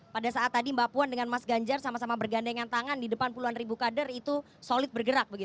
pada saat tadi mbak puan dengan mas ganjar sama sama bergandengan tangan di depan puluhan ribu kader itu solid bergerak begitu